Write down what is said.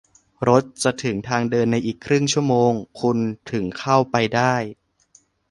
รถจะถึงทางเดินในอีกครึ่งชั่วโมง คุณถึงเข้าไปได้